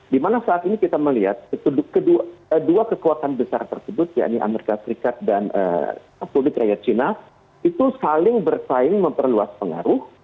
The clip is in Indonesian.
dimana saat ini kita melihat dua kekuatan besar tersebut yakni amerika serikat dan republik rakyat cina itu saling bersaing memperluas pengaruh